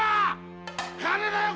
金だよ！